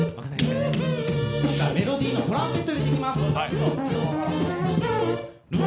メロディーのトランペット入れていきます。